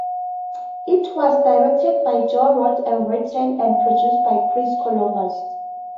It was directed by Joe Roth and written and produced by Chris Columbus.